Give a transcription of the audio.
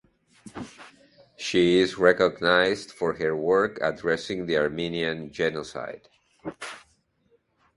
She is recognized for her work addressing the Armenian genocide.